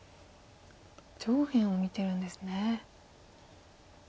上辺を見てるんですね。